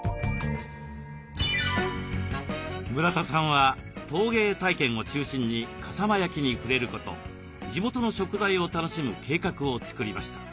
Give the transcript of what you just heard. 村田さんは陶芸体験を中心に笠間焼に触れること地元の食材を楽しむ計画を作りました。